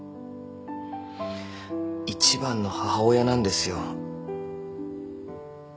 一番の母親なんですよ。